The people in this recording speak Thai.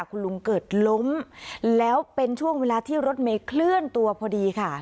คุณลุงเกิดล้มแล้วเป็นช่วงเวลาที่รถเมย์เคลื่อนตัวพอดีค่ะ